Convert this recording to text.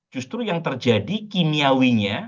justru yang terjadi kimiawinya